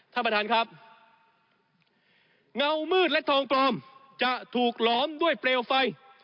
ท่านประธานครับเงามืดและทองปลอมจะถูกหลอมด้วยเปลวไฟ